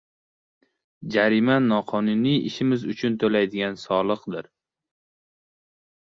Jarima noqonuniy ishimiz uchun toʻlaydigan soliqdir!